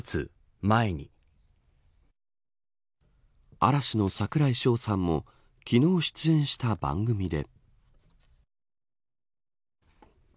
嵐の櫻井翔さんも昨日出演した番組で。